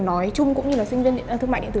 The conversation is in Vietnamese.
nói chung cũng như là sinh viên thương mại điện tử